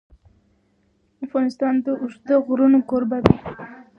افغانستان د اوږده غرونه کوربه دی.